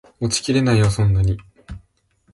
持ちきれないよそんなに